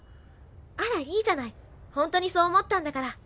あらいいじゃないホントにそう思ったんだから。